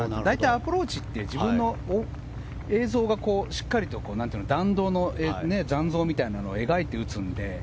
アプローチって自分の映像がしっかりと弾道の残像みたいなのを描いて打つので。